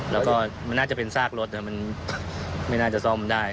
แล้วก็มันน่าจะเป็นซากรถมันไม่น่าจะซ่อมได้